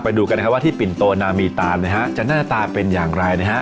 ดูกันนะครับว่าที่ปิ่นโตนามีตานนะฮะจะหน้าตาเป็นอย่างไรนะฮะ